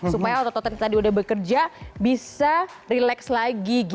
supaya otot otot yang tadi udah bekerja bisa relax lagi